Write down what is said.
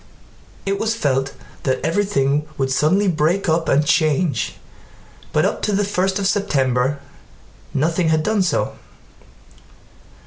It was felt that everything would suddenly break up and change, but up to the first of September nothing had done so.